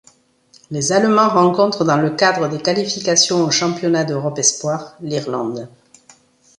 Les Allemands rencontrent dans le cadre des qualifications au championnat d'Europe espoirs, l'Irlande.